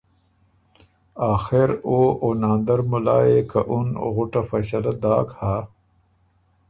آخر او او ناندر ملا يې که اَ اُن غُټه فیصله داک هۀ